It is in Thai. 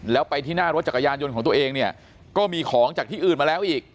แล้วไปที่หน้ารถจักรยานยนต์ของตัวเองเนี่ยก็มีของจากที่อื่นมาแล้วอีก